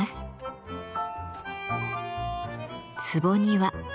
「坪庭」。